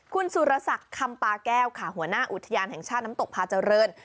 คุณสุรศักดิ์คำปาแก้วค่ะหัวหน้าอุทยานแห่งชาติน้ำตกพาเจริญ